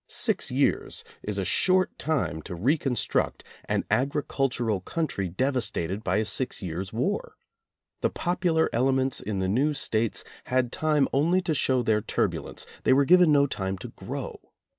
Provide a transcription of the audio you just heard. Six years is a short time to recon struct an agricultural country devastated by a six years' war. The popular elements in the new States had time only to show their turbulence; they were given no time to grow.